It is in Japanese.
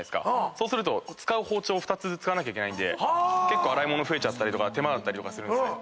そうすると使う包丁２つ使わなきゃいけないんで結構洗い物増えちゃったりとか手間だったりするんですね。